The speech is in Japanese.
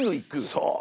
そう。